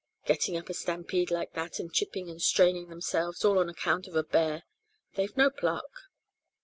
Getting up a stampede like that and chipping and straining themselves, all on account of a bear. They've no pluck."